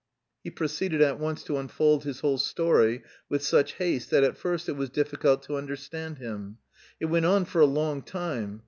He proceeded at once to unfold his whole story with such haste that at first it was difficult to understand him. It went on for a long time.